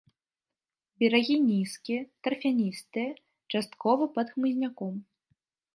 Берагі нізкія, тарфяністыя, часткова пад хмызняком.